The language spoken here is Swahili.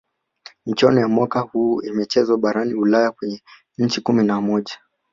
michuano ya mwaka huu imechezwa barani ulaya kwenye nchi kumi na moja